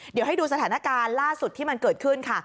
เดี๋ยวให้ดูสถานการณ์ล่าสุดที่มันเกิดขึ้นค่ะ